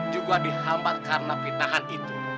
juga dihambat karena pinahan itu